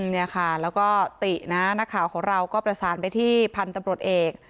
เนี่ยค่ะแล้วก็ตินะนักข่าวของเราก็ประสานไปที่พันธุ์ตำรวจเอก